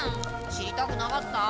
知りたくなかった。